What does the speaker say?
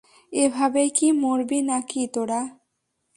এভাবেই কি মরবি না-কি তোরা?